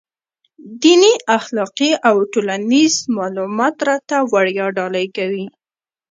دیني، اخلاقي او ټولنیز معلومات راته وړيا ډالۍ کوي.